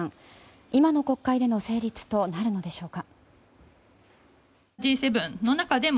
今の国会での成立となるのでしょうか。